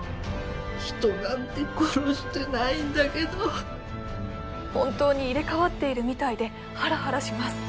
人なんて殺してないんだけど本当に入れ替わってるみたいでハラハラします